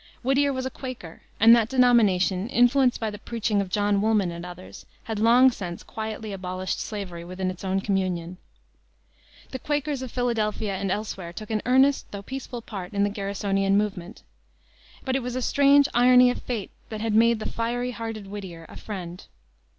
Whittier was a Quaker, and that denomination, influenced by the preaching of John Woolman and others, had long since quietly abolished slavery within its own communion. The Quakers of Philadelphia and elsewhere took an earnest though peaceful part in the Garrisonian movement. But it was a strange irony of fate that had made the fiery hearted Whittier a Friend.